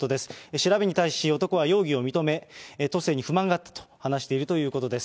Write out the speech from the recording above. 調べに対し、男は容疑を認め、都政に不満があったと話しているということです。